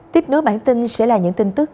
tiếp nối bản tin sẽ là những tin tức